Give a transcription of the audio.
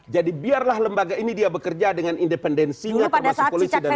jadi biarlah lembaga ini dia bekerja dengan independensinya termasuk polisi dan lain lain